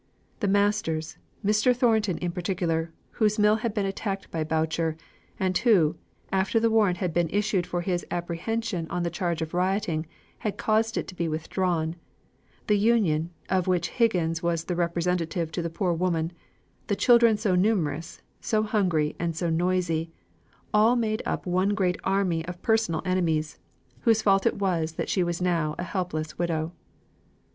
The masters Mr. Thornton in particular, whose mill had been attacked by Boucher, and who, after the warrant had been issued for his apprehension on the charge of rioting, had caused it to be withdrawn, the Union, of which Higgins was a representative to the poor woman, the children so numerous, so hungry, and so noisy all made up one great army of personal enemies, whose fault it was that she was now a helpless widow.